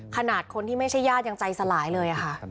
ขนาดคนที่ไม่ใช่ญาติยังใจสลายเลยค่ะ